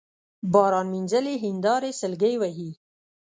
باران مينځلي هينداري سلګۍ وهي